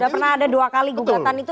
pernah ada dua kali gugatan itu